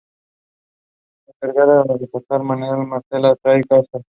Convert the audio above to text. La encargada de reemplazar a Malebrán es Marcela "Thais" Castro.